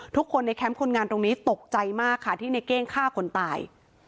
ทุกคนในแคมป์คนงานตรงนี้ตกใจมากค่ะที่ในเก้งฆ่าคนตาย